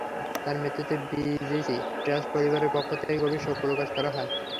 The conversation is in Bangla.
তাঁর মৃত্যুতে বিজিসি ট্রাস্ট পরিবারের পক্ষ থেকে গভীর শোক প্রকাশ করা হয়।